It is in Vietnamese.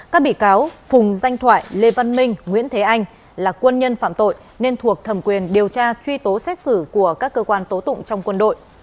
các bị cáo phùng danh thoại lê văn minh nguyễn thế anh là quân nhân phạm tội nên thuộc thẩm quyền điều tra truy tố xét xử của các cơ quan tố tụng trong quân đội